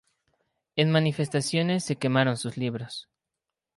En manifestaciones se quemaron sus libros.